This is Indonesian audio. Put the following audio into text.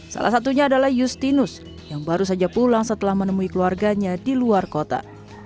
salah satunya adalah justinus yang baru saja pulang setelah menemui keluarganya di luar kota